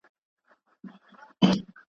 غازي دغه یې وخت دی د غزا په کرنتین کي.